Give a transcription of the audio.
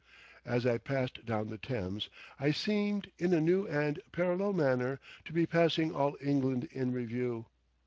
As I passed down the Thames I seemed in a new and parallel manner to be passing all England in review.